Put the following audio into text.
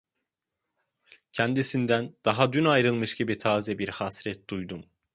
Kendisinden daha dün ayrılmış gibi taze bir hasret duydum.